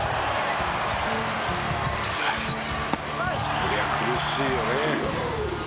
「そりゃ苦しいよね」